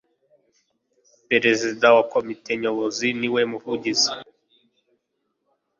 perezida wa komite nyobozi niwe muvugizi